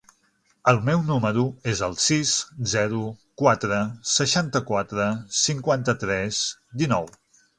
El meu número es el sis, zero, quatre, seixanta-quatre, cinquanta-tres, dinou.